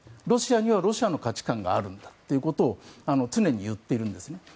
ロシアにはロシアの価値観があるんだということを常に言っているんですね。